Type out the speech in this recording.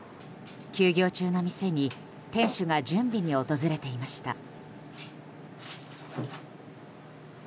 休業中の店に店主が準備に訪れていました。